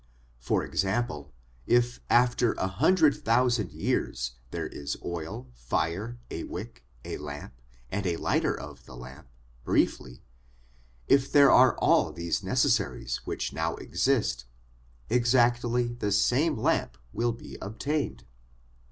For example, if after a hundred thousand years there is oil, fire, a wick, a lamp, and the lighter of the lamp briefly, if there are all the necessaries which now exist, exactly the same lamp will be obtained.